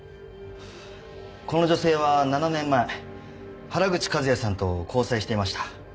この女性は７年前原口和也さんと交際していました。